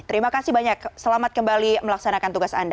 terima kasih banyak selamat kembali melaksanakan tugas anda